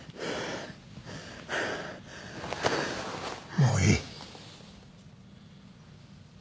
もういい。